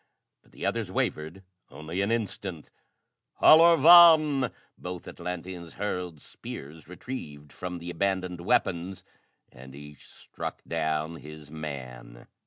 But the others wavered only an instant. "Halor vàn!" Both Atlanteans hurled spears retrieved from the abandoned weapons and each struck down his man.